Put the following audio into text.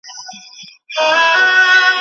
د چا له کوره وشړمه سیوری د شیطان